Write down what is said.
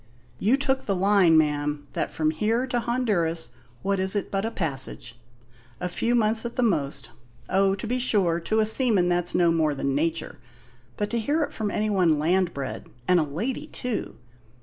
"You took the line, ma'am, that, from here to Honduras, what is it but a passage? A few months at the most oh, to be sure, to a seaman that's no more than nature; but to hear it from any one land bred, and a lady too!